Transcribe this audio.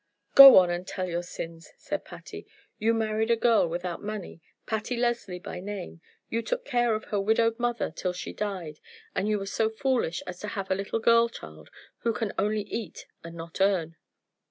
"Go on and tell your sins," said Patty. "You married a girl without money, Patty Leslie by name; you took care of her widowed mother till she died; and you were so foolish as to have a little girl child, who can only eat and not earn."